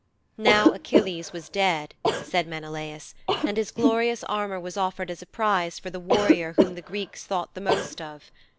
'Now Achilles was dead,' said Menelaus, 'and his glorious armour was offered as a prize for the warrior whom the Greeks thought the most of.